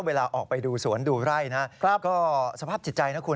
เวลาออกไปดูสวนดูไร่นะก็สภาพจิตใจนะคุณ